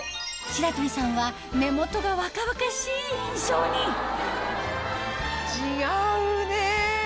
白鳥さんは目元が若々しい印象に違うね！